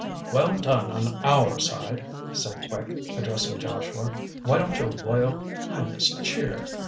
"Well done our side!" said Quick, addressing Joshua, "why don't your Royal Highness cheer?